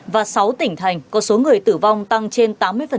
và sáu tỉnh thành có số người tử vong tăng trên tám mươi